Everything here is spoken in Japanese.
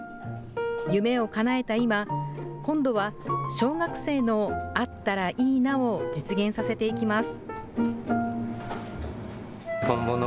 夢をかなえた今、今度は小学生のあったらいいなを実現させていきます。